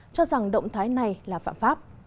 cho rằng động thái này là phạm pháp